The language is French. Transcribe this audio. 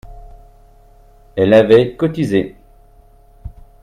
Elle avait cotisé